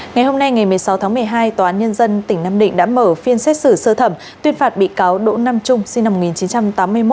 ngày hôm nay ngày một mươi sáu tháng một mươi hai tòa án nhân dân tỉnh nam định đã mở phiên xét xử sơ thẩm tuyên phạt bị cáo đỗ nam trung sinh năm một nghìn chín trăm tám mươi một